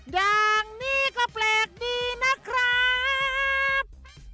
อย่างนี้ก็แปลกดีนะครับ